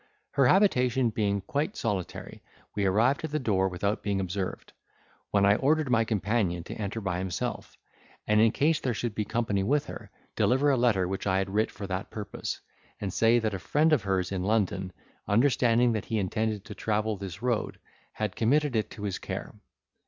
Her habitation being quite solitary, we arrived at the door without being observed, when I ordered my companion to enter by himself; and, in case there should be company with her, deliver a letter which I had writ for that purpose, and say that a friend of hers in London, understanding that he intended to travel this road, had committed it to his care.